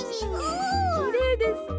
きれいですね。